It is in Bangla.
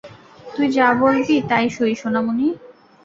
তুই যা বলবি তাই সই, সোনামণি।